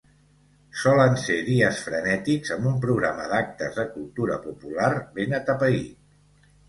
Solen ser dies frenètics amb un programa d’actes de cultura popular ben atapeït.